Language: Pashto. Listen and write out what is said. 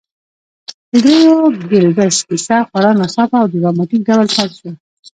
د دریو ګيبلز کیسه خورا ناڅاپه او ډراماتیک ډول پیل شوه